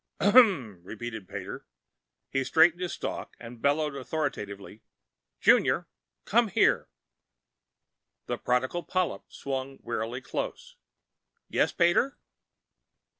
"Ahem!" repeated Pater. He straightened his stalk, and bellowed authoritatively, "JUNIOR! Come here!" The prodigal polyp swam warily close. "Yes, Pater?"